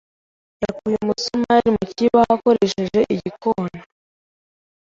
yakuye umusumari mu kibaho akoresheje igikona.